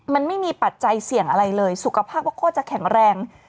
มันไม่มีปัจจัยเสี่ยงอะไรเลยสุขภาพป้าโคตรจะแข็งแรง